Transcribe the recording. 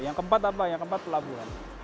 yang keempat apa yang keempat pelabuhan